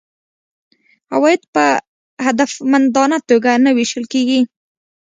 عواید په هدفمندانه توګه نه وېشل کیږي.